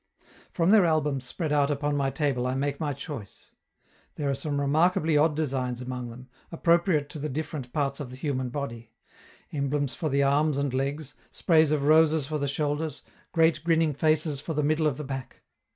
From their albums spread out upon my table I make my choice. There are some remarkably odd designs among them, appropriate to the different parts of the human body: emblems for the arms and legs, sprays of roses for the shoulders, great grinning faces for the middle of the back.